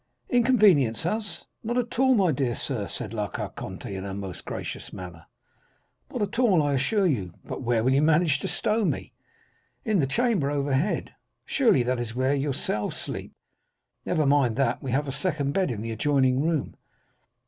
"'Inconvenience us? Not at all, my dear sir,' said La Carconte in her most gracious manner. 'Not at all, I assure you.' "'But where will you manage to stow me?' "'In the chamber overhead.' "'Surely that is where you yourselves sleep?' "'Never mind that; we have a second bed in the adjoining room.